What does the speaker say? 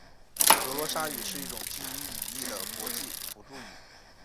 格罗沙语是一种基于语义的国际辅助语。